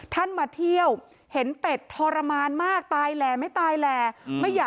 ก็เลยเกิดเหตุการณ์ตามในคลิปค่ะ